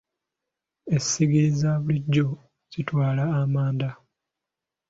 Essigiri za bulijjo zitwala amanda.